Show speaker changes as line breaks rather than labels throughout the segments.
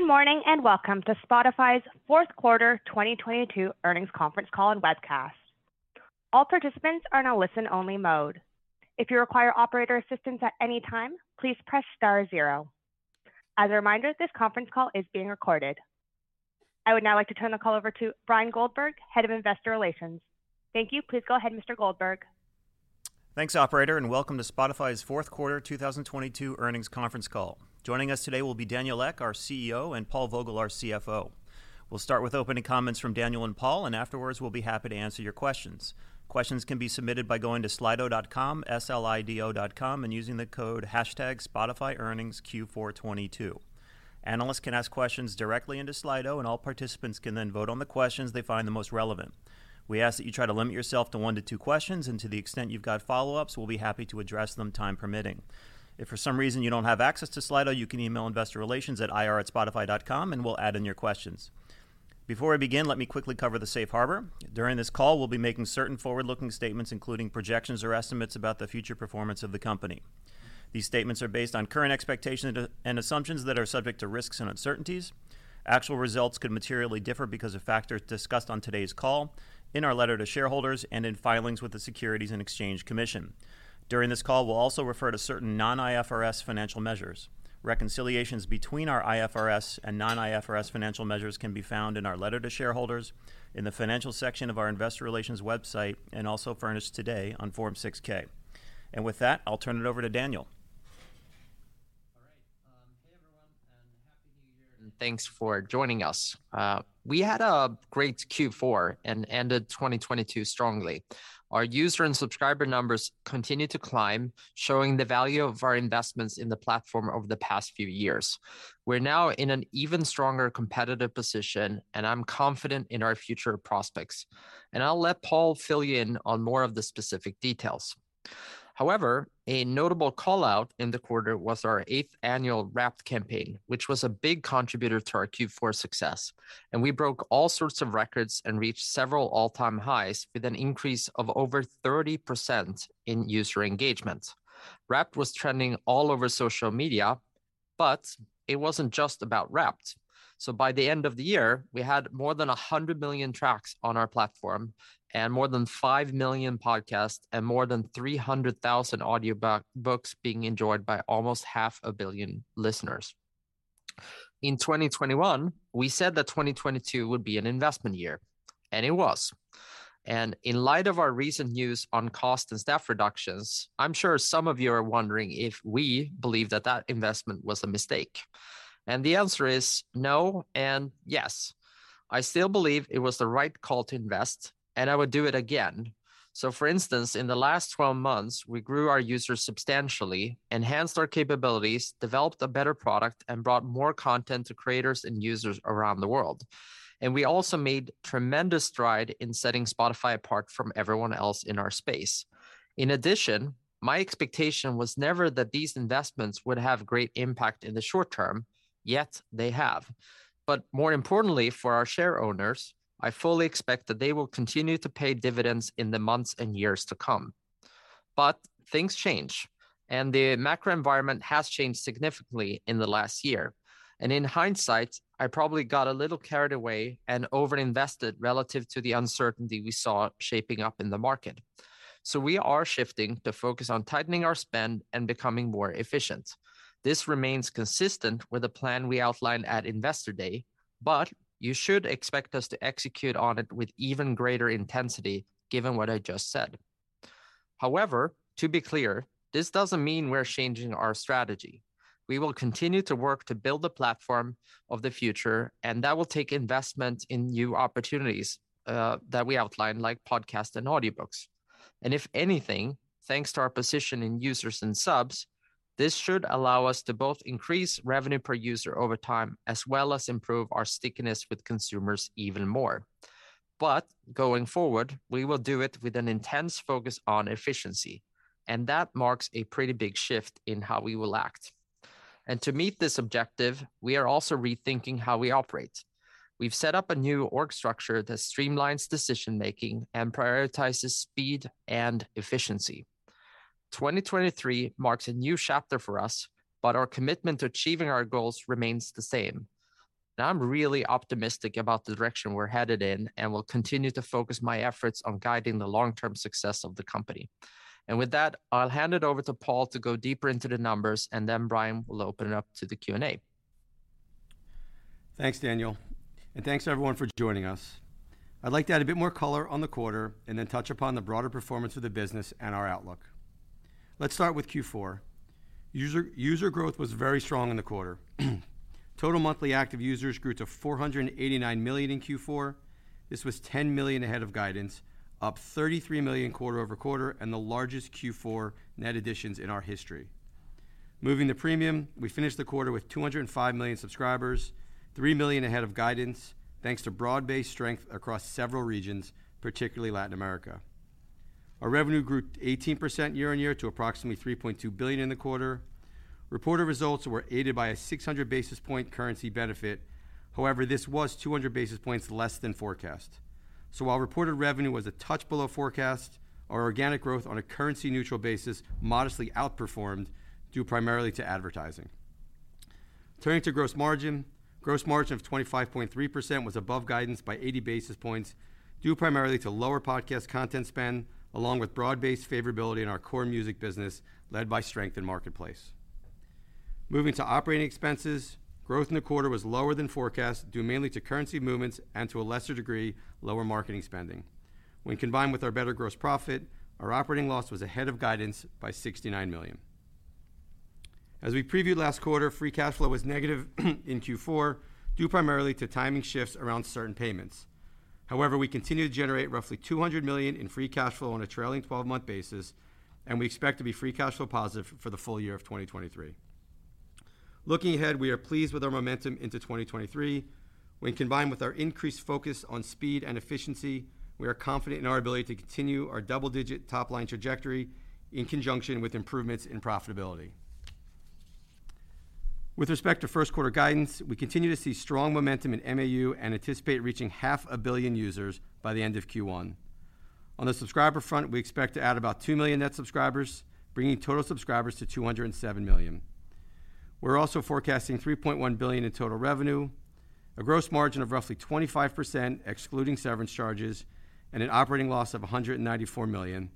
Good morning, and welcome to Spotify's fourth quarter 2022 earnings conference call and webcast. All participants are in a listen-only mode. If you require operator assistance at any time, please press star 0. As a reminder, this conference call is being recorded. I would now like to turn the call over to Bryan Goldberg, Head of Investor Relations. Thank you. Please go ahead, Mr. Goldberg.
Thanks, operator, and welcome to Spotify's fourth quarter 2022 earnings conference call. Joining us today will be Daniel Ek, our CEO, and Paul Vogel, our CFO. We'll start with opening comments from Daniel and Paul, and afterwards we'll be happy to answer your questions. Questions can be submitted by going to Slido.com, S-L-I-D-O.com, and using the code hashtag SpotifyEarningsQ422. Analysts can ask questions directly into Slido, and all participants can then vote on the questions they find the most relevant. We ask that you try to limit yourself to one to two questions, and to the extent you've got follow-ups, we'll be happy to address them time permitting. If for some reason you don't have access to Slido, you can email investor relations at ir@spotify.com and we'll add in your questions. Before I begin, let me quickly cover the Safe Harbor. During this call, we'll be making certain forward-looking statements, including projections or estimates about the future performance of the company. These statements are based on current expectations and assumptions that are subject to risks and uncertainties. Actual results could materially differ because of factors discussed on today's call, in our letter to shareholders, in filings with the Securities and Exchange Commission. During this call, we'll also refer to certain non-IFRS financial measures. Reconciliations between our IFRS and non-IFRS financial measures can be found in our letter to shareholders, in the financial section of our investor relations website, and also furnished today on Form 6-K. With that, I'll turn it over to Daniel.
All right. Hey, everyone, and Happy New Year, and thanks for joining us. We had a great Q4 and ended 2022 strongly. Our user and subscriber numbers continued to climb, showing the value of our investments in the platform over the past few years. We're now in an even stronger competitive position, and I'm confident in our future prospects. I'll let Paul fill you in on more of the specific details. However, a notable call-out in the quarter was our eighth annual Wrapped campaign, which was a big contributor to our Q4 success. We broke all sorts of records and reached several all-time highs with an increase of over 30% in user engagement. Wrapped was trending all over social media, but it wasn't just about Wrapped. By the end of the year, we had more than 100 million tracks on our platform and more than 5 million podcasts and more than 300,000 audiobooks being enjoyed by almost half a billion listeners. In 2021, we said that 2022 would be an investment year, and it was. In light of our recent news on cost and staff reductions, I'm sure some of you are wondering if we believe that investment was a mistake. The answer is no and yes. I still believe it was the right call to invest, and I would do it again. For instance, in the last 12 months, we grew our users substantially, enhanced our capabilities, developed a better product, and brought more content to creators and users around the world. We also made tremendous strides in setting Spotify apart from everyone else in our space. In addition, my expectation was never that these investments would have great impact in the short term, yet they have. More importantly for our shareowners, I fully expect that they will continue to pay dividends in the months and years to come. Things change, and the macro environment has changed significantly in the last year. In hindsight, I probably got a little carried away and overinvested relative to the uncertainty we saw shaping up in the market. We are shifting the focus on tightening our spend and becoming more efficient. This remains consistent with the plan we outlined at Investor Day, but you should expect us to execute on it with even greater intensity, given what I just said. However, to be clear, this doesn't mean we're changing our strategy. We will continue to work to build a platform of the future, and that will take investment in new opportunities that we outlined, like podcasts and audiobooks. If anything, thanks to our position in users and subs, this should allow us to both increase revenue per user over time as well as improve our stickiness with consumers even more. Going forward, we will do it with an intense focus on efficiency, and that marks a pretty big shift in how we will act. To meet this objective, we are also rethinking how we operate. We've set up a new org structure that streamlines decision-making and prioritizes speed and efficiency. 2023 marks a new chapter for us, but our commitment to achieving our goals remains the same. I'm really optimistic about the direction we're headed in and will continue to focus my efforts on guiding the long-term success of the company. With that, I'll hand it over to Paul to go deeper into the numbers, and then Bryan will open it up to the Q&A.
Thanks, Daniel, and thanks, everyone, for joining us. I'd like to add a bit more color on the quarter and then touch upon the broader performance of the business and our outlook. Let's start with Q4. User growth was very strong in the quarter. Total monthly active users grew to 489 million in Q4. This was 10 million ahead of guidance, up 33 million quarter-over-quarter, and the largest Q4 net additions in our history. Moving to Premium, we finished the quarter with 205 million subscribers, 3 million ahead of guidance, thanks to broad-based strength across several regions, particularly Latin America. Our revenue grew 18% year-on-year to approximately $3.2 billion in the quarter. Reported results were aided by a 600 basis point currency benefit. This was 200 basis points less than forecast. While reported revenue was a touch below forecast, our organic growth on a currency-neutral basis modestly outperformed due primarily to advertising. Turning to gross margin. Gross margin of 25.3% was above guidance by 80 basis points due primarily to lower podcast content spend, along with broad-based favorability in our core music business, led by strength in Marketplace. Moving to operating expenses, growth in the quarter was lower than forecast, due mainly to currency movements and, to a lesser degree, lower marketing spending. Combined with our better gross profit, our operating loss was ahead of guidance by $69 million. As we previewed last quarter, free cash flow was negative in Q4 due primarily to timing shifts around certain payments. We continue to generate roughly $200 million in free cash flow on a trailing twelve-month basis. We expect to be free cash flow positive for the full year of 2023. Looking ahead, we are pleased with our momentum into 2023. Combined with our increased focus on speed and efficiency, we are confident in our ability to continue our double-digit top-line trajectory in conjunction with improvements in profitability. With respect to first quarter guidance, we continue to see strong momentum in MAU and anticipate reaching half a billion users by the end of Q1. On the subscriber front, we expect to add about 2 million net subscribers, bringing total subscribers to 207 million. We're also forecasting $3.1 billion in total revenue, a gross margin of roughly 25% excluding severance charges, and an operating loss of $194 million,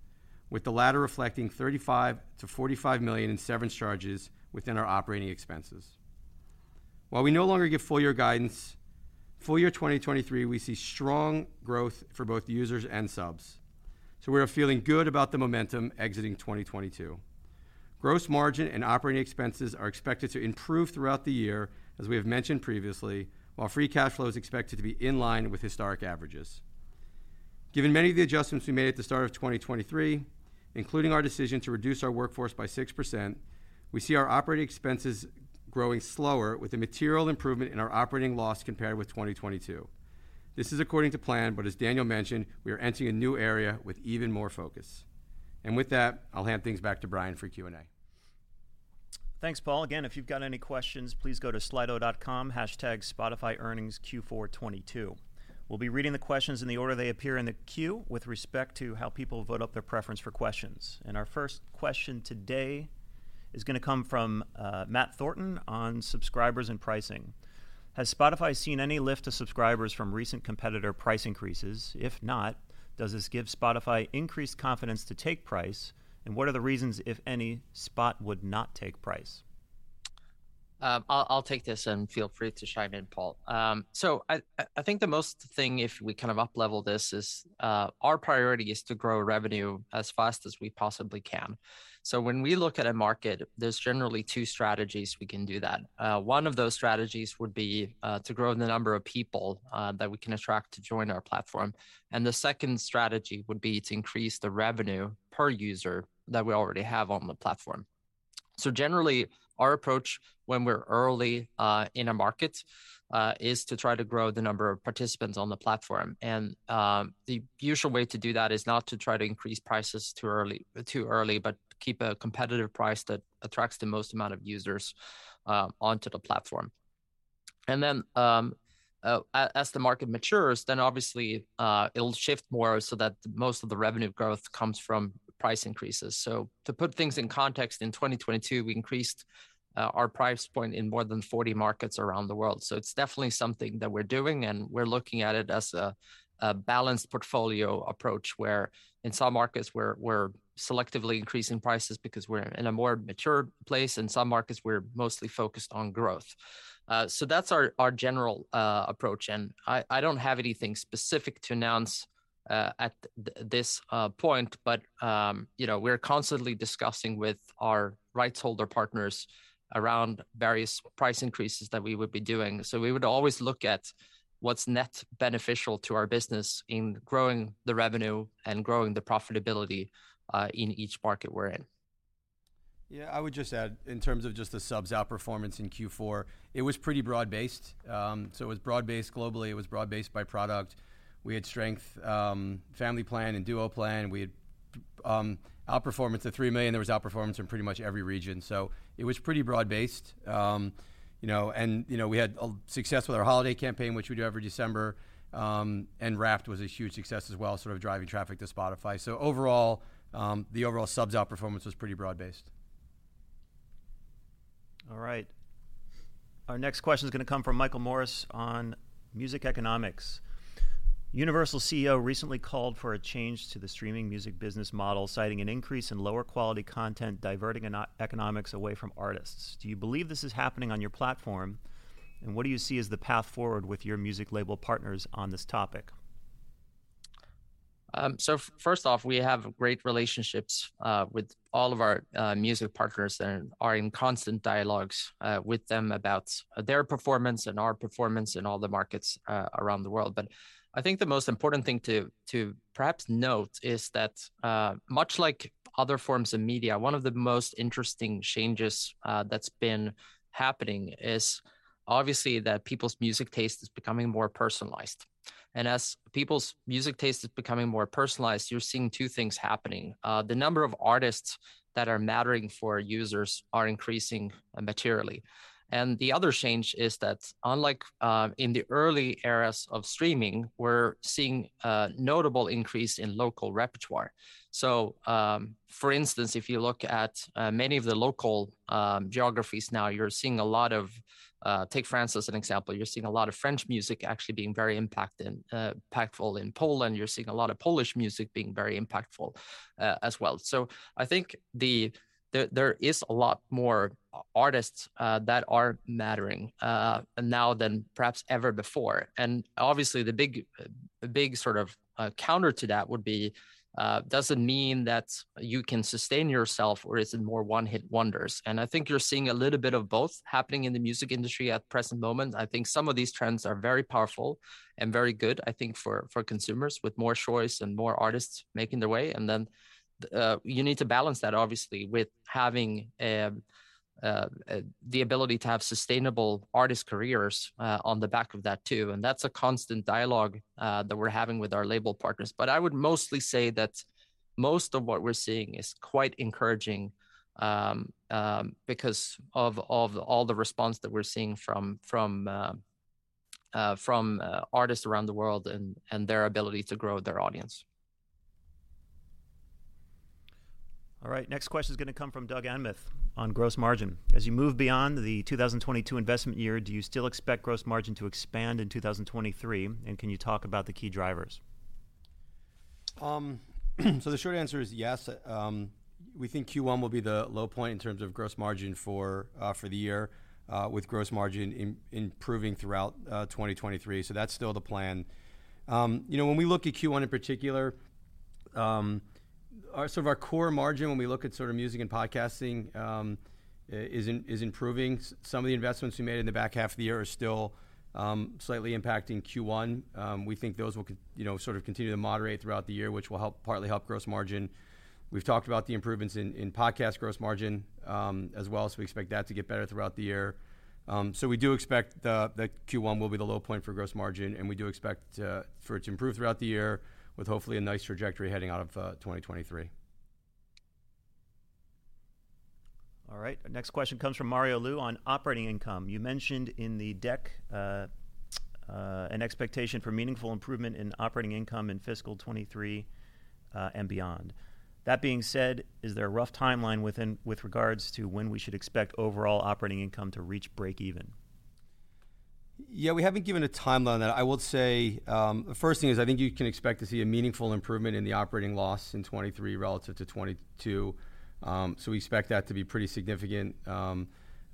with the latter reflecting $35 million-$45 million in severance charges within our operating expenses. While we no longer give full year guidance, full year 2023, we see strong growth for both users and subs. We are feeling good about the momentum exiting 2022. Gross margin and operating expenses are expected to improve throughout the year, as we have mentioned previously, while free cash flow is expected to be in line with historic averages. Given many of the adjustments we made at the start of 2023, including our decision to reduce our workforce by 6%, we see our operating expenses growing slower with a material improvement in our operating loss compared with 2022. This is according to plan, but as Daniel mentioned, we are entering a new era with even more focus. With that, I'll hand things back to Bryan for Q&A.
Thanks, Paul. Again, if you've got any questions, please go to slido.com, hashtag SpotifyEarningsQ422. We'll be reading the questions in the order they appear in the queue with respect to how people vote up their preference for questions. Our first question today is going to come from Matt Thornton on subscribers and pricing. Has Spotify seen any lift to subscribers from recent competitor price increases? If not, does this give Spotify increased confidence to take price? What are the reasons, if any, Spotify would not take price?
I'll take this and feel free to chime in, Paul. I think the most thing, if we up level this is, our priority is to grow revenue as fast as we possibly can. When we look at a market, there's generally two strategies we can do that. One of those strategies would be to grow the number of people that we can attract to join our platform, and the second strategy would be to increase the revenue per user that we already have on the platform. Generally, our approach when we're early in a market is to try to grow the number of participants on the platform. The usual way to do that is not to try to increase prices too early, but keep a competitive price that attracts the most amount of users onto the platform. As the market matures, then obviously, it'll shift more so that most of the revenue growth comes from price increases. To put things in context, in 2022, we increased our price point in more than 40 markets around the world. It's definitely something that we're doing, and we're looking at it as a balanced portfolio approach, where in some markets we're selectively increasing prices because we're in a more mature place. In some markets, we're mostly focused on growth. That's our general approach. I don't have anything specific to announce at this point, but we're constantly discussing with our rights holder partners around various price increases that we would be doing. We would always look at what's net beneficial to our business in growing the revenue and growing the profitability in each market we're in.
Yeah, I would just add, in terms of just the subs outperformance in Q4, it was pretty broad-based. It was broad-based globally. It was broad-based by product. We had strength, Premium Family and Premium Duo. We had, outperformance of 3 million. There was outperformance in pretty much every region. It was pretty broad-based. We had a success with our holiday campaign, which we do every December. Wrapped was a huge success as well driving traffic to Spotify. Overall, the overall subs outperformance was pretty broad-based.
Our next question is going to come from Michael Morris on music economics. Universal CEO recently called for a change to the streaming music business model, citing an increase in lower quality content diverting economics away from artists. Do you believe this is happening on your platform? What do you see as the path forward with your music label partners on this topic?
First off, we have great relationships with all of our music partners and are in constant dialogues with them about their performance and our performance in all the markets around the world. I think the most important thing to perhaps note is that much like other forms of media, one of the most interesting changes that's been happening is obviously that people's music taste is becoming more personalized. As people's music taste is becoming more personalized, you're seeing 2 things happening. The number of artists that are mattering for users are increasing materially. The other change is that unlike in the early eras of streaming, we're seeing a notable increase in local repertoire. For instance, if you look at many of the local geographies now, you're seeing a lot of take France as an example. You're seeing a lot of French music actually being very impactful. In Poland, you're seeing a lot of Polish music being very impactful as well. I think there is a lot more artists that are mattering now than perhaps ever before. Obviously, the big counter to that would be doesn't mean that you can sustain yourself, or is it more one-hit wonders? I think you're seeing a little bit of both happening in the music industry at present moment. I think some of these trends are very powerful and very good, I think for consumers with more choice and more artists making their way. Then, you need to balance that, obviously, with having the ability to have sustainable artist careers on the back of that too. That's a constant dialogue that we're having with our label partners. I would mostly say that most of what we're seeing is quite encouraging because of all the response that we're seeing from artists around the world and their ability to grow their audience.
Next question is gonna come from Doug Anmuth on gross margin. As you move beyond the 2022 investment year, do you still expect gross margin to expand in 2023? Can you talk about the key drivers?
The short answer is yes. We think Q1 will be the low point in terms of gross margin for the year, with gross margin improving throughout 2023. That's still the plan. When we look at Q1 in particular, our core margin when we look at music and podcasting, is improving. Some of the investments we made in the back half of the year are still slightly impacting Q1. We think those will continue to moderate throughout the year, which will partly help gross margin. We've talked about the improvements in podcast gross margin as well, we expect that to get better throughout the year. We do expect that Q1 will be the low point for gross margin, and we do expect for it to improve throughout the year with hopefully a nice trajectory heading out of 2023.
Next question comes from Mario Lu on operating income. You mentioned in the deck, an expectation for meaningful improvement in operating income in fiscal 23 and beyond. That being said, is there a rough timeline with regards to when we should expect overall operating income to reach breakeven?
We haven't given a timeline on that. I would say, first thing is I think you can expect to see a meaningful improvement in the operating loss in 2023 relative to 2022. We expect that to be pretty significant.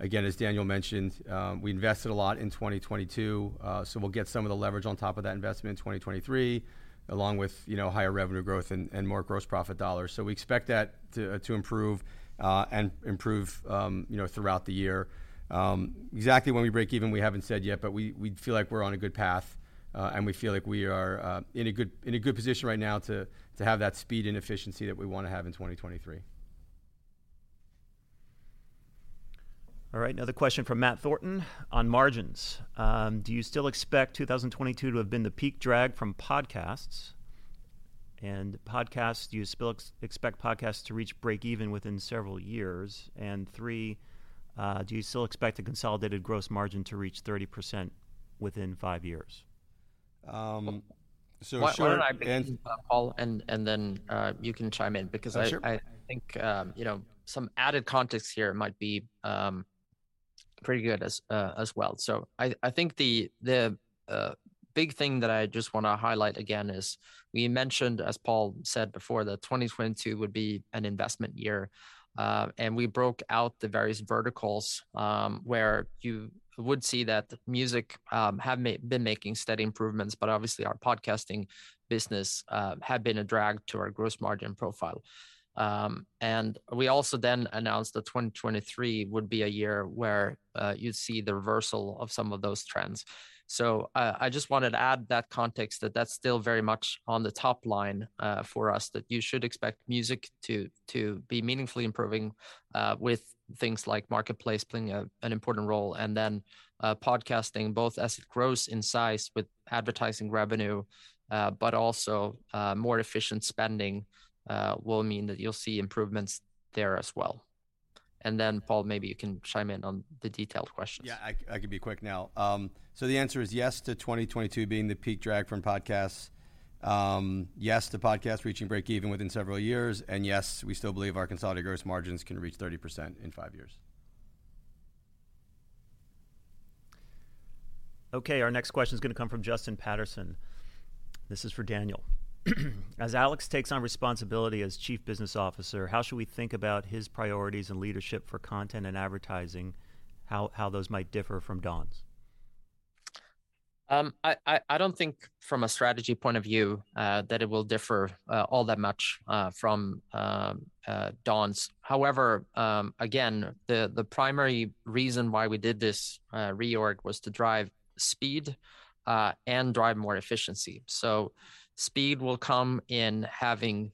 Again, as Daniel mentioned, we invested a lot in 2022, we'll get some of the leverage on top of that investment in 2023, along with higher revenue growth and more gross profit dollars. We expect that to improve and improve throughout the year. Exactly when we break even, we haven't said yet, but we feel like we're on a good path, and we feel like we are in a good position right now to have that speed and efficiency that we wanna have in 2023.
Another question from Matt Thornton on margins. Do you still expect 2022 to have been the peak drag from podcasts? Podcasts, do you still expect podcasts to reach breakeven within several years? Three, do you still expect the consolidated gross margin to reach 30% within five years?
Um, so short-
Why don't I begin, Paul, and then you can chime in because.
Sure
I think some added context here might be pretty good as well. I think the big thing that I just wanna highlight again is we mentioned, as Paul said before, that 2022 would be an investment year. We broke out the various verticals, where you would see that music been making steady improvements, but obviously, our podcasting business had been a drag to our gross margin profile. We also announced that 2023 would be a year where you'd see the reversal of some of those trends. I just wanted to add that context that that's still very much on the top line, for us, that you should expect music to be meaningfully improving, with things like Marketplace playing an important role. Then, podcasting, both as it grows in size with advertising revenue, but also, more efficient spending, will mean that you'll see improvements there as well. Then, Paul, maybe you can chime in on the detailed questions.
Yeah. I can be quick now. The answer is yes to 2022 being the peak drag from podcasts. Yes to podcasts reaching breakeven within several years. Yes, we still believe our consolidated gross margins can reach 30% in five years.
Okay. Our next question is gonna come from Justin Patterson. This is for Daniel. As Alex takes on responsibility as chief business officer, how should we think about his priorities and leadership for content and advertising, how those might differ from Dawn's?
I don't think from a strategy point of view that it will differ all that much from Dawn's. However, again, the primary reason why we did this reorg was to drive speed and drive more efficiency. Speed will come in having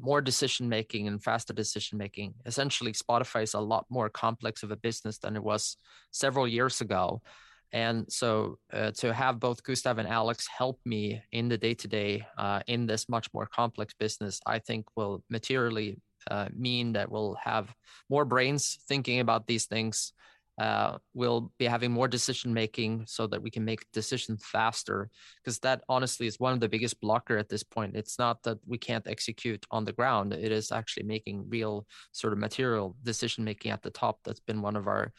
more decision-making and faster decision-making. Essentially, Spotify is a lot more complex of a business than it was several years ago. To have both Gustav and Alex help me in the day-to-day in this much more complex business, I think will materially mean that we'll have more brains thinking about these things, we'll be having more decision-making so that we can make decisions faster, 'cause that honestly is one of the biggest blocker at this point. It's not that we can't execute on the ground, it is actually making real material decision-making at the top that's been one of our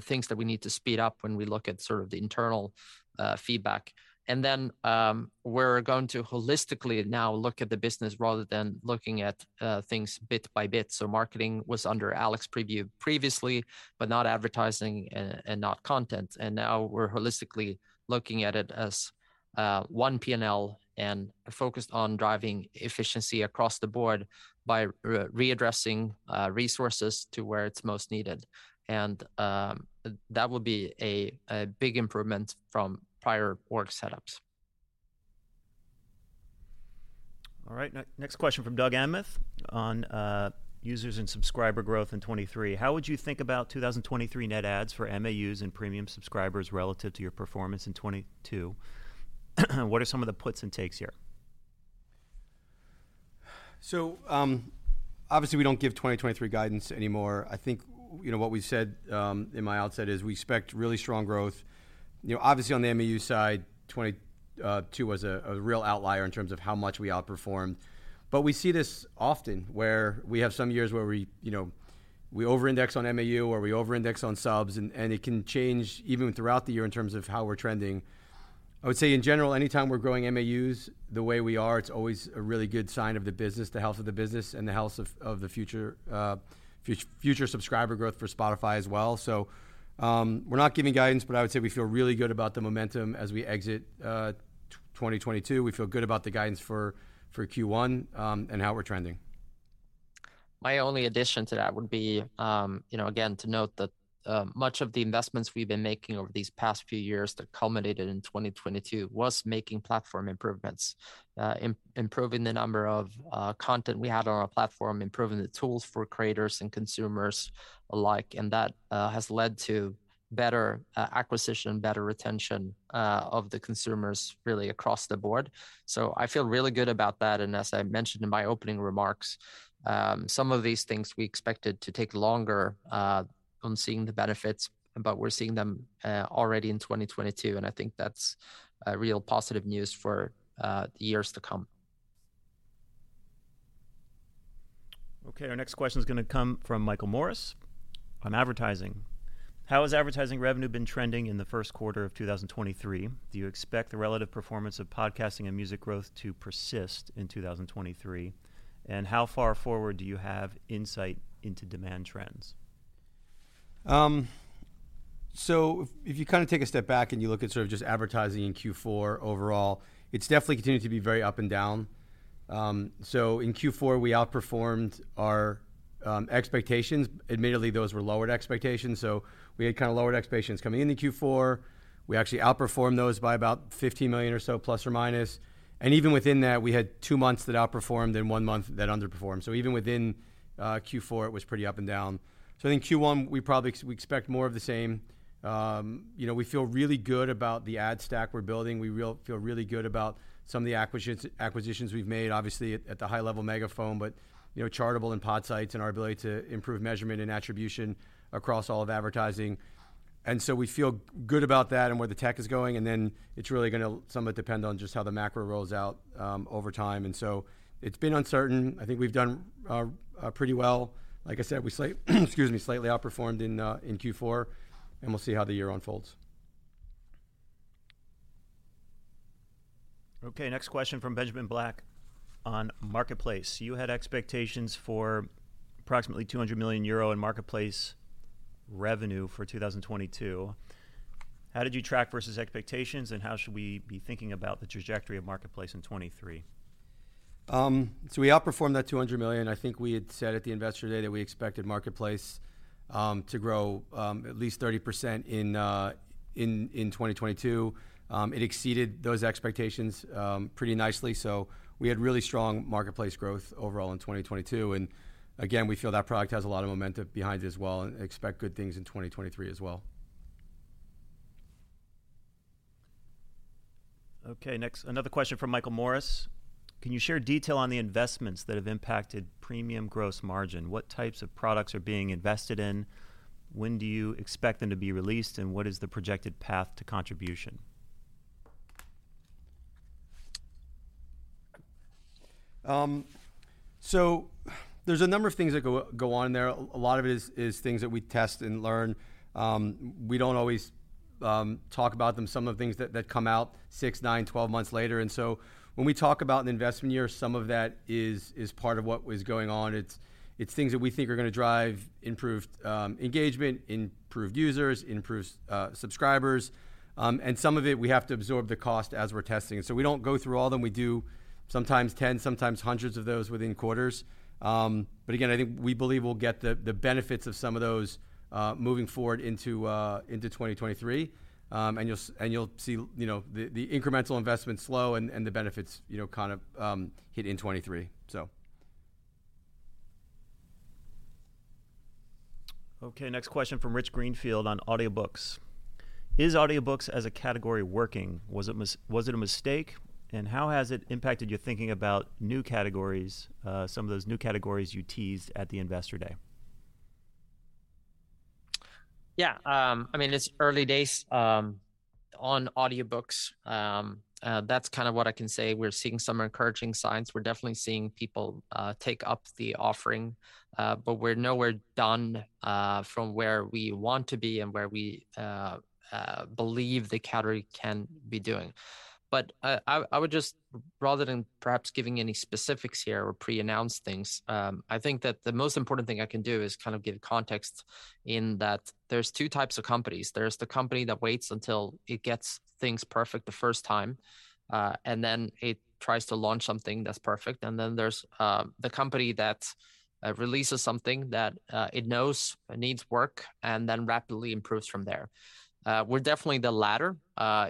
things that we need to speed up when we look at the internal feedback. Then, we're going to holistically now look at the business rather than looking at things bit by bit. Marketing was under Alex preview previously, but not advertising and not content. Now we're holistically looking at it as one P&L and focused on driving efficiency across the board by readdressing resources to where it's most needed. That would be a big improvement from prior org setups.
All right. next question from Doug Anmuth on users and subscriber growth in 2023. How would you think about 2023 net adds for MAUs and Premium subscribers relative to your performance in 2022? What are some of the puts and takes here?
Obviously we don't give 2023 guidance anymore. I think what we said in my outset is we expect really strong growth. Obviously on the MAU side, 2022 was a real outlier in terms of how much we outperformed. We see this often where we have some years where we over-index on MAU or we over-index on subs, and it can change even throughout the year in terms of how we're trending. I would say in general, anytime we're growing MAUs the way we are, it's always a really good sign of the business, the health of the business and the health of the future subscriber growth for Spotify as well. We're not giving guidance, but I would say we feel really good about the momentum as we exit 2022. We feel good about the guidance for Q1, how we're trending.
My only addition to that would be again, to note that much of the investments we've been making over these past few years that culminated in 2022 was making platform improvements. Improving the number of content we had on our platform, improving the tools for creators and consumers alike, and that has led to better acquisition, better retention of the consumers really across the board. I feel really good about that. As I mentioned in my opening remarks, some of these things we expected to take longer on seeing the benefits, but we're seeing them already in 2022, and I think that's real positive news for the years to come.
Okay, our next question is gonna come from Michael Morris on advertising. How has advertising revenue been trending in the first quarter of 2023? Do you expect the relative performance of podcasting and music growth to persist in 2023? How far forward do you have insight into demand trends?
If you take a step back and you look at just advertising in Q4 overall, it's definitely continued to be very up and down. In Q4, we outperformed our expectations. Admittedly, those were lowered expectations, so we had lowered expectations coming into Q4. We actually outperformed those by about $50 million or so ±. And even within that, we had two months that outperformed and one month that underperformed. Even within Q4, it was pretty up and down. I think Q1, we expect more of the same. We feel really good about the ad stack we're building. We feel really good about some of the acquisitions we've made, obviously at the high level Megaphone, but Chartable and Podsights and our ability to improve measurement and attribution across all of advertising. We feel good about that and where the tech is going, and then it's really gonna somewhat depend on just how the macro rolls out over time. It's been uncertain. I think we've done pretty well. Like I said, we excuse me, slightly outperformed in Q4, and we'll see how the year unfolds.
Okay, next question from Benjamin Black on Marketplace. You had expectations for approximately 200 million euro in Marketplace revenue for 2022. How did you track versus expectations, and how should we be thinking about the trajectory of Marketplace in 2023?
We outperformed that $200 million. I think we had said at the Investor Day that we expected Marketplace to grow at least 30% in 2022. It exceeded those expectations pretty nicely, so we had really strong Marketplace growth overall in 2022. Again, we feel that product has a lot of momentum behind it as well and expect good things in 2023 as well.
Okay, next. Another question from Michael Morris. Can you share detail on the investments that have impacted Premium gross margin? What types of products are being invested in? When do you expect them to be released, and what is the projected path to contribution?
There's a number of things that go on there. A lot of it is things that we test and learn. We don't always talk about them. Some of the things that come out 6, 9, 12 months later. When we talk about an investment year, some of that is part of what was going on. It's things that we think are going to drive improved engagement, improved users, improves subscribers. And some of it, we have to absorb the cost as we're testing. We don't go through all of them. We do sometimes 10, sometimes hundreds of those within quarters. Again, I think we believe we'll get the benefits of some of those moving forward into 2023. You'll see the incremental investments slow and the benefits hit in 23.
Okay, next question from Rich Greenfield on audiobooks. Is audiobooks as a category working? Was it a mistake? How has it impacted your thinking about new categories, some of those new categories you teased at the Investor Day?
Yeah. It's early days on audiobooks. That's what I can say. We're seeing some encouraging signs. We're definitely seeing people take up the offering. We're nowhere done from where we want to be and where we believe the category can be doing. I would just rather than perhaps giving any specifics here or preannounce things, I think that the most important thing I can do is give context in that there's two types of companies. There's the company that waits until it gets things perfect the first time, and then it tries to launch something that's perfect. There's the company that releases something that it knows needs work and then rapidly improves from there. We're definitely the latter.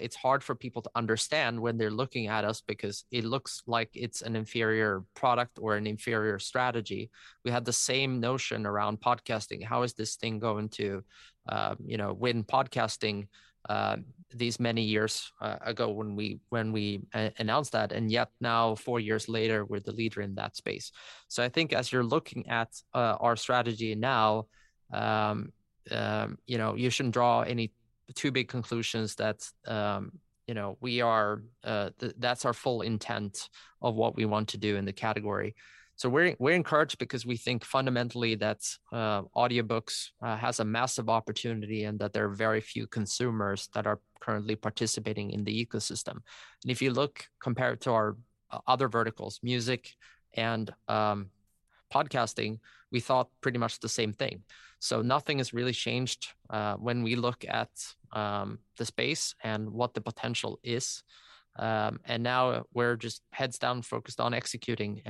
It's hard for people to understand when they're looking at us because it looks like it's an inferior product or an inferior strategy. We had the same notion around podcasting. How is this thing going to win podcasting these many years ago when we announced that. Yet now, four years later, we're the leader in that space. I think as you're looking at our strategy now you shouldn't draw any too big conclusions that we are that's our full intent of what we want to do in the category. We're, we're encouraged because we think fundamentally that audiobooks has a massive opportunity and that there are very few consumers that are currently participating in the ecosystem. If you look compared to our other verticals, music and podcasting, we thought pretty much the same thing. Nothing has really changed when we look at the space and what the potential is. Now we're just heads down focused on executing.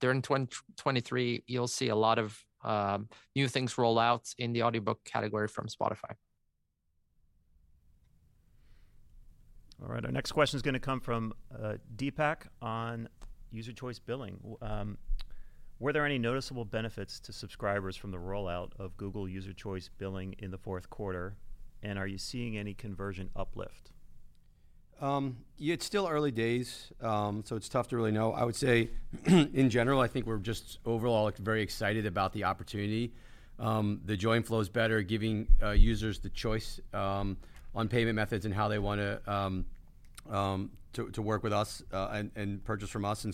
During 2023, you'll see a lot of new things roll out in the audiobook category from Spotify.
Our next question is going to come from Deepak on User Choice Billing. Were there any noticeable benefits to subscribers from the rollout of Google User Choice Billing in the fourth quarter, and are you seeing any conversion uplift?
Yeah, it's still early days, it's tough to really know. I would say in general, I think we're just overall very excited about the opportunity. The join flow is better, giving users the choice on payment methods and how they want to work with us and purchase from us.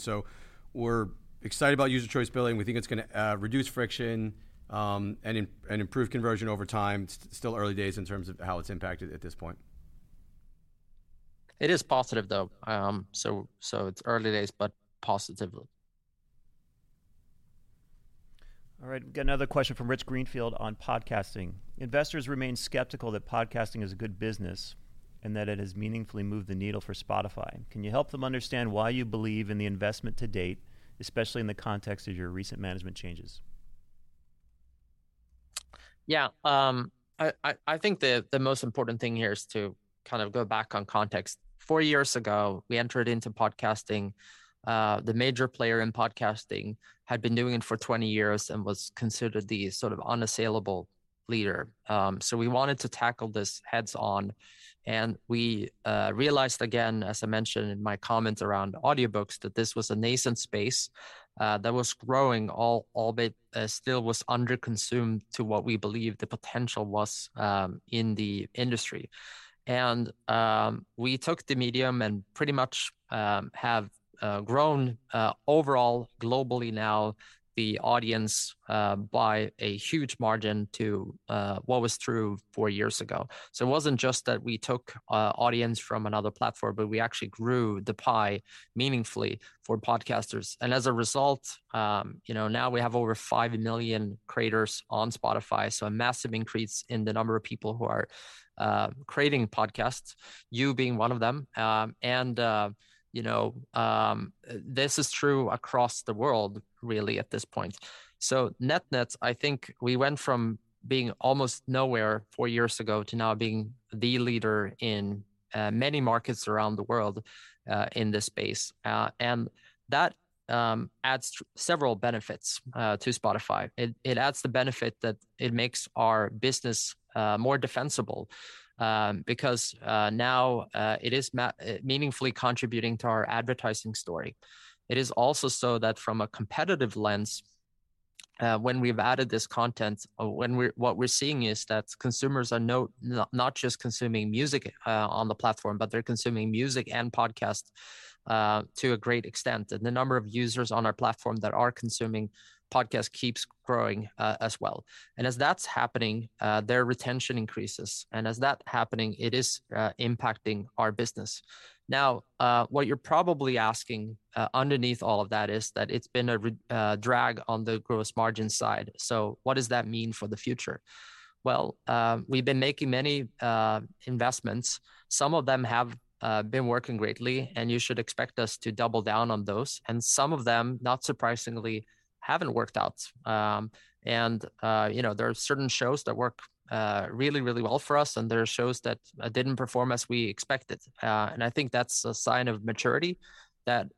We're excited about User Choice Billing. We think it's going to reduce friction and improve conversion over time. Still early days in terms of how it's impacted at this point.
It is positive, though. It's early days, but positive.
We've got another question from Rich Greenfield on podcasting. Investors remain skeptical that podcasting is a good business and that it has meaningfully moved the needle for Spotify. Can you help them understand why you believe in the investment to date, especially in the context of your recent management changes?
Yeah. I think the most important thing here is to go back on context. 4 years ago, we entered into podcasting. The major player in podcasting had been doing it for 20 years and was considered the unassailable leader. We wanted to tackle this heads-on, and we realized, again, as I mentioned in my comments around audiobooks, that this was a nascent space that was growing all but still was underconsumed to what we believe the potential was in the industry. We took the medium and pretty much have grown overall globally now the audience by a huge margin to what was true 4 years ago. It wasn't just that we took audience from another platform, but we actually grew the pie meaningfully for podcasters. As a result now we have over 5 million creators on Spotify, so a massive increase in the number of people who are creating podcasts, you being one of them. This is true across the world really at this point. Net-net, I think we went from being almost nowhere 4 years ago to now being the leader in many markets around the world in this space. That adds several benefits to Spotify. It adds the benefit that it makes our business more defensible because now it is meaningfully contributing to our advertising story. It is also so that from a competitive lens. When we've added this content, what we're seeing is that consumers are not just consuming music on the platform, but they're consuming music and podcasts to a great extent. The number of users on our platform that are consuming podcasts keeps growing as well. As that's happening, their retention increases, and as that happening, it is impacting our business. What you're probably asking underneath all of that is that it's been a drag on the gross margin side. What does that mean for the future? We've been making many investments. Some of them have been working greatly, and you should expect us to double down on those. Some of them, not surprisingly, haven't worked out. There are certain shows that work really, really well for us, and there are shows that didn't perform as we expected. I think that's a sign of maturity that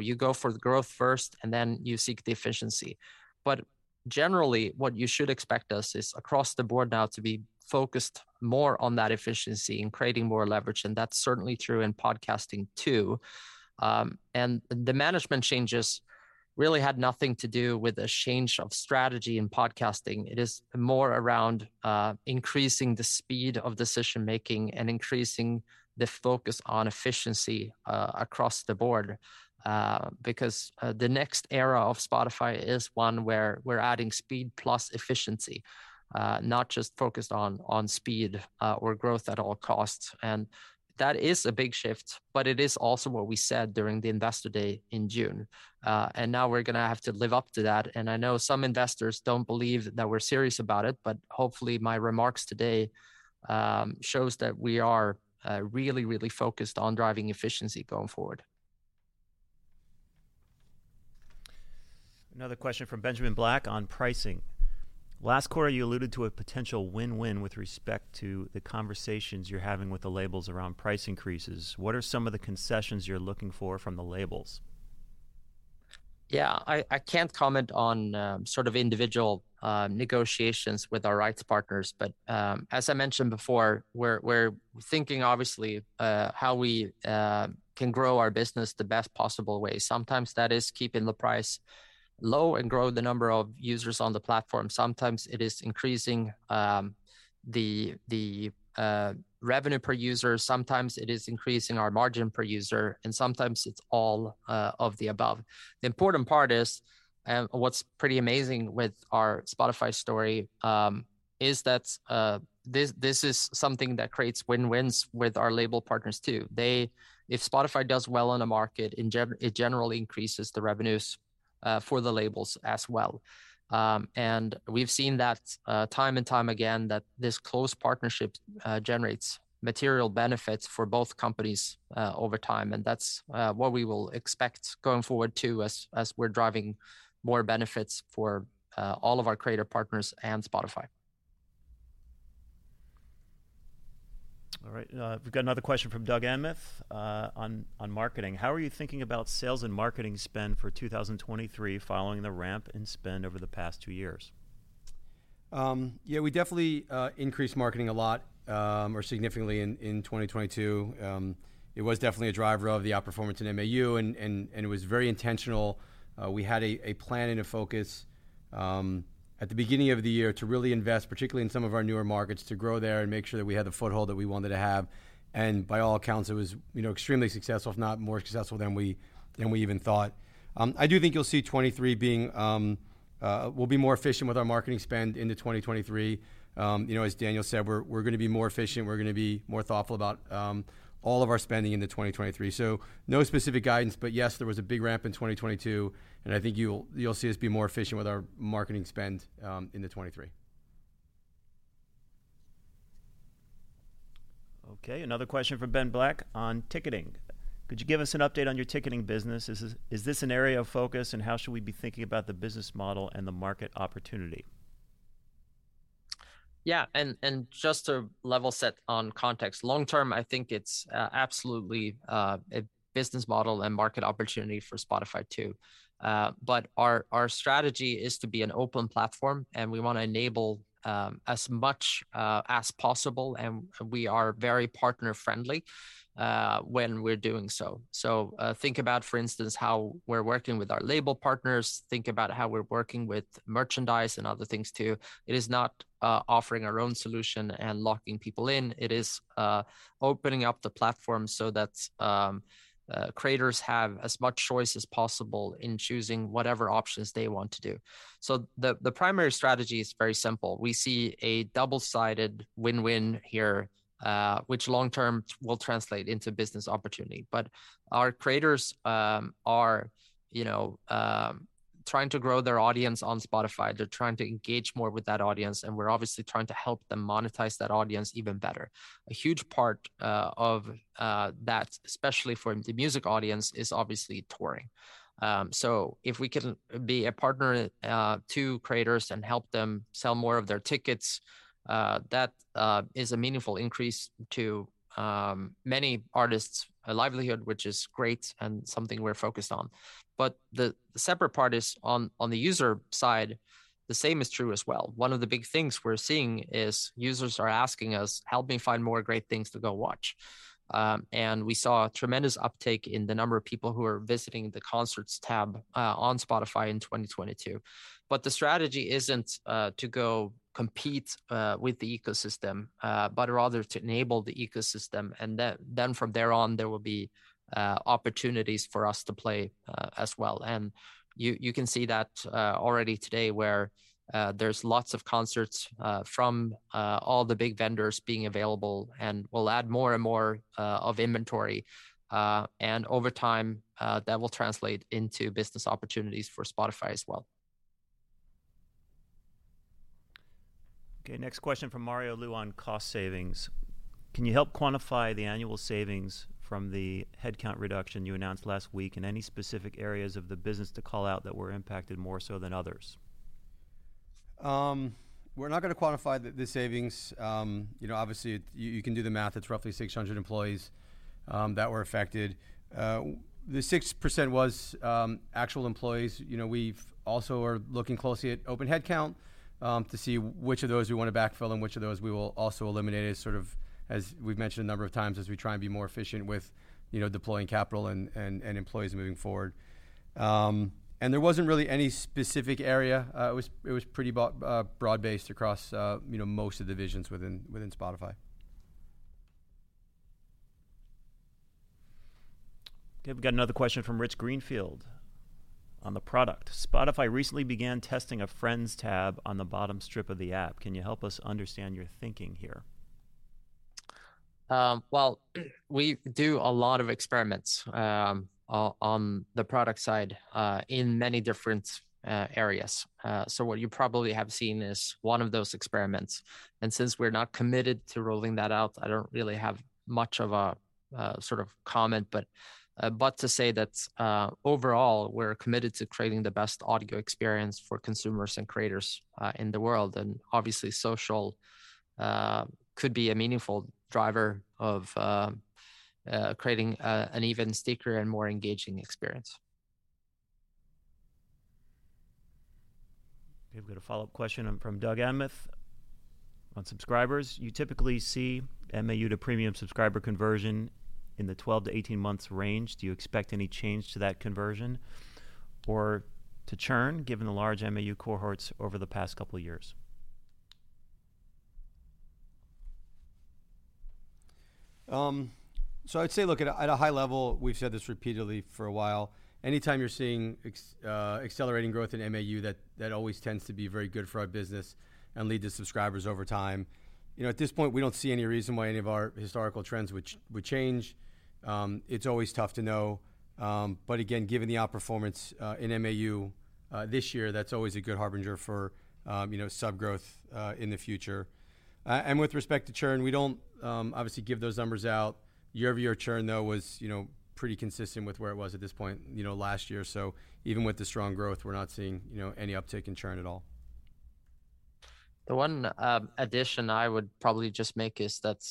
you go for the growth first and then you seek the efficiency. Generally, what you should expect us is across the board now to be focused more on that efficiency and creating more leverage, and that's certainly true in podcasting too. The management changes really had nothing to do with a change of strategy in podcasting. It is more around increasing the speed of decision-making and increasing the focus on efficiency across the board, because the next era of Spotify is one where we're adding speed plus efficiency, not just focused on speed or growth at all costs. That is a big shift, but it is also what we said during the Investor Day in June. Now we're gonna have to live up to that, and I know some investors don't believe that we're serious about it, but hopefully my remarks today shows that we are really, really focused on driving efficiency going forward.
Another question from Benjamin Black on pricing: Last quarter, you alluded to a potential win-win with respect to the conversations you're having with the labels around price increases. What are some of the concessions you're looking for from the labels?
Yeah. I can't comment on individual negotiations with our rights partners. As I mentioned before, we're thinking obviously how we can grow our business the best possible way. Sometimes that is keeping the price low and grow the number of users on the platform. Sometimes it is increasing the revenue per user, sometimes it is increasing our margin per user, and sometimes it's all of the above. The important part is, and what's pretty amazing with our Spotify story, is that this is something that creates win-wins with our label partners too. If Spotify does well on a market, it generally increases the revenues for the labels as well. We've seen that time and time again that this close partnership generates material benefits for both companies over time. That's what we will expect going forward too as we're driving more benefits for all of our creator partners and Spotify.
We've got another question from Doug Anmuth, on marketing: How are you thinking about sales and marketing spend for 2023 following the ramp in spend over the past 2 years?
Yeah, we definitely increased marketing a lot, or significantly in 2022. It was definitely a driver of the outperformance in MAU and it was very intentional. We had a plan and a focus at the beginning of the year to really invest, particularly in some of our newer markets, to grow there and make sure that we had the foothold that we wanted to have. By all accounts, it was extremely successful, if not more successful than we even thought. I do think you'll see 2023 being, we'll be more efficient with our marketing spend into 2023. As Daniel said, we're gonna be more efficient. We're gonna be more thoughtful about all of our spending into 2023. No specific guidance, but yes, there was a big ramp in 2022, and I think you'll see us be more efficient with our marketing spend, into 2023.
Okay. Another question from Ben Black on ticketing: Could you give us an update on your ticketing business? Is this an area of focus, and how should we be thinking about the business model and the market opportunity?
Yeah. Just to level set on context, long term, I think it's absolutely a business model and market opportunity for Spotify too. Our strategy is to be an open platform, and we wanna enable as much as possible, and we are very partner friendly when we're doing so. Think about, for instance, how we're working with our label partners, think about how we're working with merchandise and other things too. It is not offering our own solution and locking people in. It is opening up the platform so that creators have as much choice as possible in choosing whatever options they want to do. The primary strategy is very simple. We see a double-sided win-win here, which long term will translate into business opportunity. Our creators trying to grow their audience on Spotify. They're trying to engage more with that audience, and we're obviously trying to help them monetize that audience even better. A huge part of that, especially for the music audience, is obviously touring. If we can be a partner to creators and help them sell more of their tickets, that is a meaningful increase to many artists' livelihood, which is great and something we're focused on. The separate part is on the user side. The same is true as well. One of the big things we're seeing is users are asking us, "Help me find more great things to go watch." We saw a tremendous uptake in the number of people who are visiting the Concerts tab on Spotify in 2022. The strategy isn't to go compete with the ecosystem, but rather to enable the ecosystem and then from there on, there will be opportunities for us to play as well. You, you can see that already today where there's lots of concerts from all the big vendors being available, and we'll add more and more of inventory. Over time, that will translate into business opportunities for Spotify as well.
Okay, next question from Mario Lu on cost savings. Can you help quantify the annual savings from the headcount reduction you announced last week and any specific areas of the business to call out that were impacted more so than others?
We're not gonna quantify the savings. Obviously you can do the math. It's roughly 600 employees that were affected. The 6% was actual employees. We've also are looking closely at open headcount to see which of those we wanna backfill and which of those we will also eliminate as we've mentioned a number of times, as we try and be more efficient with deploying capital and employees moving forward. There wasn't really any specific area. It was pretty broad-based across most of the divisions within Spotify.
Okay, we've got another question from Rich Greenfield on the product. Spotify recently began testing a Friends tab on the bottom strip of the app. Can you help us understand your thinking here?
We do a lot of experiments on the product side, in many different areas. What you probably have seen is one of those experiments. Since we're not committed to rolling that out, I don't really have much of a comment, but to say that overall, we're committed to creating the best audio experience for consumers and creators in the world. Obviously, social could be a meaningful driver of creating an even stickier and more engaging experience.
Okay. We've got a follow-up question from Doug Anmuth on subscribers. You typically see MAU to Premium subscriber conversion in the 12-18 months range. Do you expect any change to that conversion or to churn, given the large MAU cohorts over the past couple of years?
I'd say, look, at a high level, we've said this repeatedly for a while. Anytime you're seeing accelerating growth in MAU, that always tends to be very good for our business and lead to subscribers over time. At this point, we don't see any reason why any of our historical trends would change. It's always tough to know. Again, given the outperformance in MAU this year, that's always a good harbinger for sub growth in the future. With respect to churn, we don't obviously give those numbers out. Year-over-year churn, though, was pretty consistent with where it was at this point last year. Even with the strong growth, we're not seeing any uptick in churn at all.
The one addition I would probably just make is that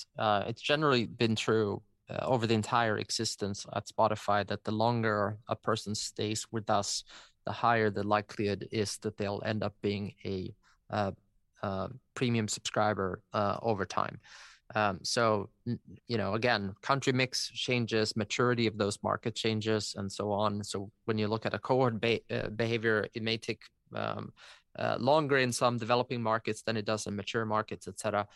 it's generally been true over the entire existence at Spotify that the longer a person stays with us, the higher the likelihood is that they'll end up being a Premium subscriber over time. Again, country mix changes, maturity of those market changes, and so on. When you look at a cohort behavior, it may take longer in some developing markets than it does in mature markets, et cetera.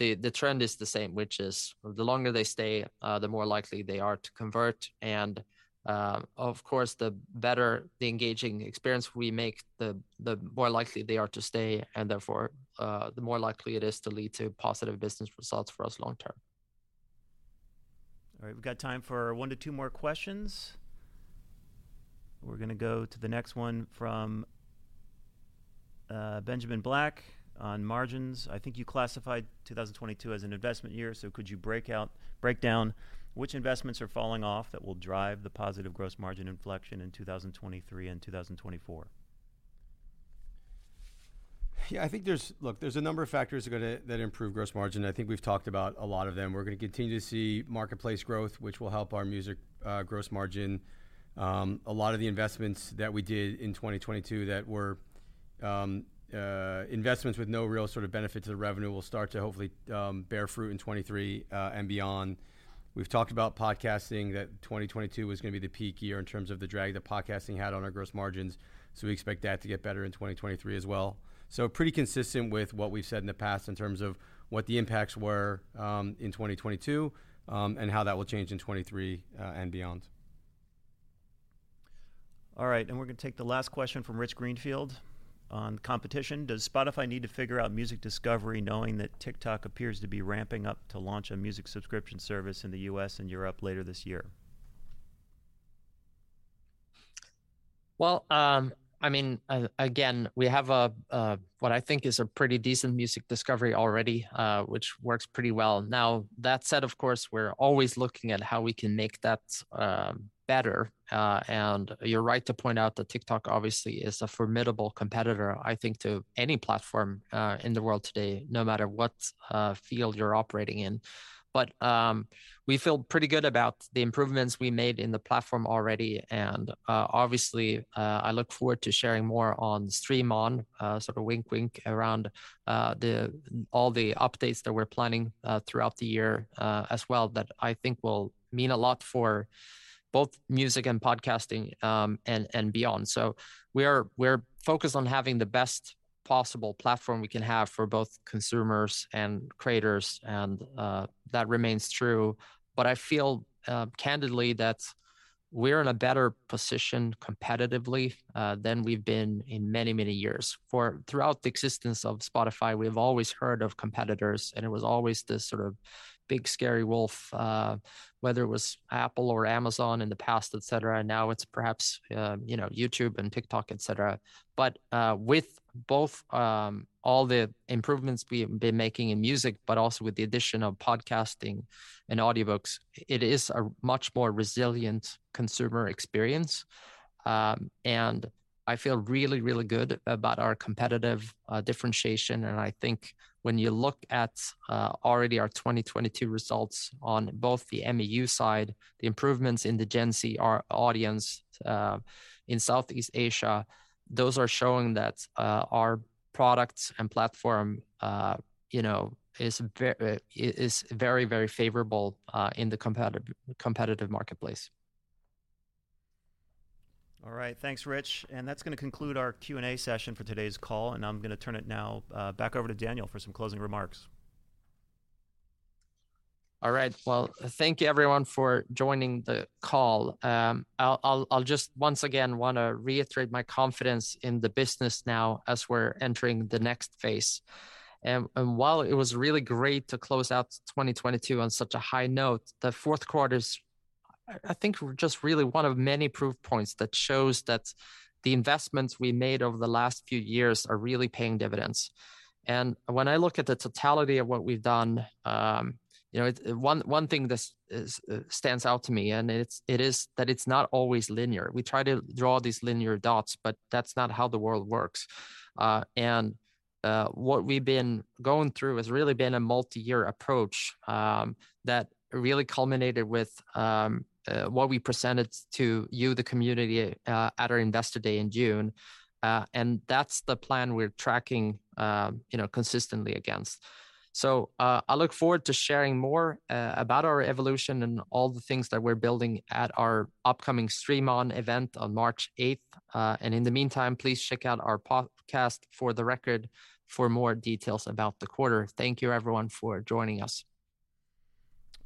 The trend is the same, which is the longer they stay, the more likely they are to convert. Of course, the better the engaging experience we make, the more likely they are to stay, and therefore, the more likely it is to lead to positive business results for us long term.
All right. We've got time for one to two more questions. We're gonna go to the next one from Benjamin Black on margins. I think you classified 2022 as an investment year. Could you break down which investments are falling off that will drive the positive gross margin inflection in 2023 and 2024?
Yeah, I think Look, there's a number of factors that improve gross margin. I think we've talked about a lot of them. We're gonna continue to see Marketplace growth, which will help our music gross margin. A lot of the investments that we did in 2022 that were investments with no real benefit to the revenue will start to hopefully bear fruit in 2023 and beyond. We've talked about podcasting, that 2022 was gonna be the peak year in terms of the drag that podcasting had on our gross margins, so we expect that to get better in 2023 as well. Pretty consistent with what we've said in the past in terms of what the impacts were in 2022 and how that will change in 2023 and beyond.
All right. We're gonna take the last question from Rich Greenfield on competition. Does Spotify need to figure out music discovery, knowing that TikTok appears to be ramping up to launch a music subscription service in the U.S. and Europe later this year?
We have what I think is a pretty decent music discovery already, which works pretty well. That said, of course, we're always looking at how we can make that better. You're right to point out that TikTok obviously is a formidable competitor, I think, to any platform in the world today, no matter what field you're operating in. We feel pretty good about the improvements we made in the platform already and obviously, I look forward to sharing more on Stream On, wink, around all the updates that we're planning throughout the year as well that I think will mean a lot for both music and podcasting, and beyond. We're focused on having the best possible platform we can have for both consumers and creators and that remains true. I feel candidly that we're in a better position competitively than we've been in many, many years. Throughout the existence of Spotify, we've always heard of competitors, and it was always this big, scary wolf, whether it was Apple or Amazon in the past, et cetera. Now it's perhaps YouTube and TikTok, et cetera. With both, all the improvements we've been making in music, but also with the addition of podcasting and audiobooks, it is a much more resilient consumer experience. I feel really, really good about our competitive differentiation, and I think when you look at already our 2022 results on both the MAU side, the improvements in the Gen Z, our audience in Southeast Asia, those are showing that our products and platform is very favorable in the competitive marketplace.
All right. Thanks, Rich. That's gonna conclude our Q&A session for today's call, and I'm gonna turn it now, back over to Daniel for some closing remarks.
All right. Thank you everyone for joining the call. I'll just once again wanna reiterate my confidence in the business now as we're entering the next phase. While it was really great to close out 2022 on such a high note, the fourth quarter's I think just really one of many proof points that shows that the investments we made over the last few years are really paying dividends. When I look at the totality of what we've done one thing this is, stands out to me, and it is that it's not always linear. We try to draw these linear dots, but that's not how the world works. What we've been going through has really been a multi-year approach that really culminated with what we presented to you, the community, at our Investor Day in June. That's the plan we're tracking consistently against. I look forward to sharing more about our evolution and all the things that we're building at our upcoming Stream On event on March eighth. In the meantime, please check out our podcast, For the Record, for more details about the quarter. Thank you everyone for joining us.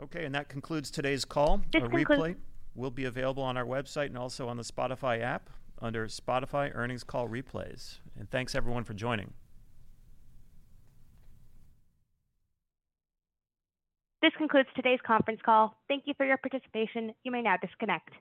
Okay, that concludes today's call.
This concludes.
A replay will be available on our website and also on the Spotify app under Spotify Earnings Call Replays. Thanks everyone for joining.
This concludes today's conference call. Thank you for your participation. You may now disconnect.